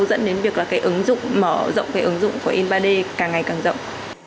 dẫn đến việc là cái ứng dụng mở rộng cái ứng dụng của in ba d càng ngày càng rộng